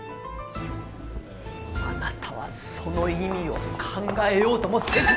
あなたはその意味を考えようともせず。